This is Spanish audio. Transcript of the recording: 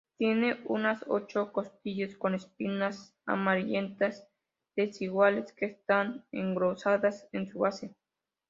Tiene unas ocho costillas con espinas amarillentas desiguales que están engrosadas en su base.